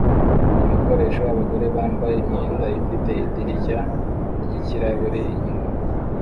ibikoresho abagore bambaye imyenda ifite idirishya ryikirahure inyuma